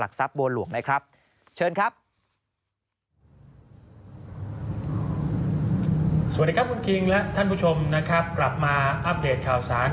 กลับมาอัปเดตข่าวสาร